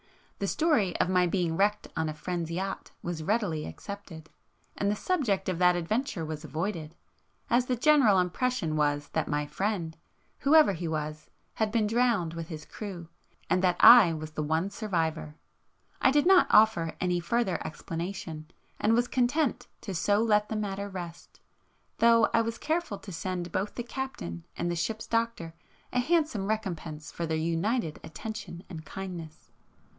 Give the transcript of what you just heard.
The story of my being wrecked on a friend's yacht was readily accepted,—and the subject of that adventure was avoided, as the general impression was that my friend, whoever he was, had been drowned with his crew, and that I was the one survivor. I did not offer any further explanation, and was content to so let the matter rest, though I was careful to send both the captain and the ship's doctor a handsome recompense for their united attention and kindness.